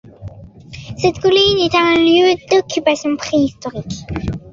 Cette colline est un lieu d'occupation préhistorique.